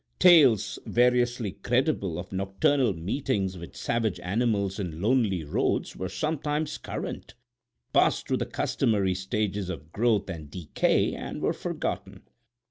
Tales variously credible of nocturnal meetings with savage animals in lonely roads were sometimes current, passed through the customary stages of growth and decay, and were forgotten.